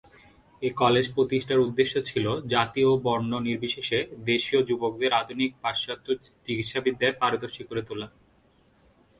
এই কলেজ প্রতিষ্ঠার উদ্দেশ্য ছিল জাতি ও বর্ণ নির্বিশেষে দেশীয় যুবকদের আধুনিক পাশ্চাত্য চিকিৎসাবিদ্যায় পারদর্শী করে তোলা।